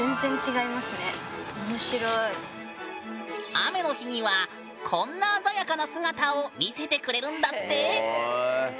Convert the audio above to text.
雨の日にはこんな鮮やかな姿を見せてくれるんだって。